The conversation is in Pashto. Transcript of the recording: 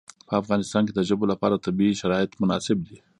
په افغانستان کې د ژبو لپاره طبیعي شرایط مناسب دي.